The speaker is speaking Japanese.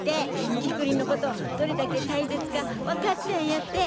キクリンのことどれだけ大切か分かったんやって！